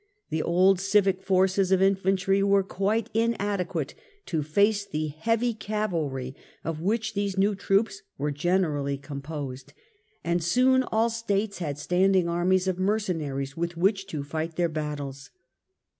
The old civic forces of infantry were quite inadequate to face the heavy cavalry, of which these new troops were generally composed, and soon all States had standing armies of mercenaries with which to fight their battles.